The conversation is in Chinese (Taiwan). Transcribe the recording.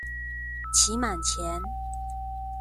期滿前